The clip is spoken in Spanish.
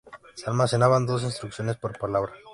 Se almacenaban dos instrucciones por palabra.